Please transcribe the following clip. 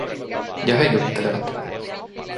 Ja he juttelevat.